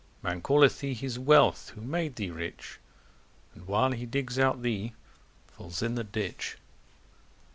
Man calleth thee his wealth, who made thee rich; And while he diggs out thee, falls in the ditch.